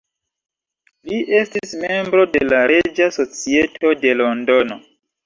Li estis membro de la Reĝa Societo de Londono.